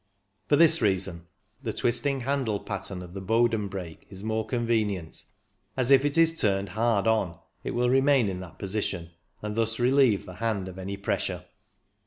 For this reason the twisting handle pattern of the Bowden brake is more convenient, as if it is turned hard on it will remain in that position, and thus relieve the hand of any pressure.